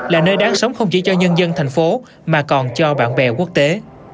là nơi đáng sống không chỉ cho nhân dân thành phố mà còn cho bạn bè quốc tế